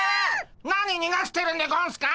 何にがしてるんでゴンスか！